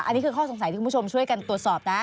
อันนี้คือข้อสงสัยที่คุณผู้ชมช่วยกันตรวจสอบนะ